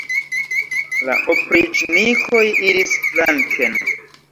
La opriĉnikoj iris flanken.